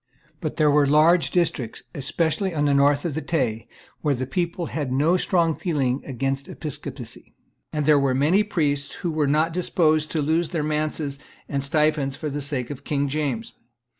But there were large districts, especially on the north of the Tay, where the people had no strong feeling against episcopacy; and there were many priests who were not disposed to lose their manses, and stipends for the sake of King James.